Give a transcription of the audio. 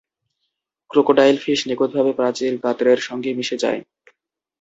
Crocodile fish নিখুঁতভাবে প্রাচীর গাত্রের সঙ্গে মিশে যায়।